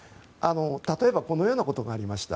例えばこのようなことがありました。